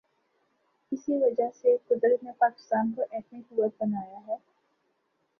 اسی وجہ سے قدرت نے پاکستان کو ایٹمی قوت بنایا ہے۔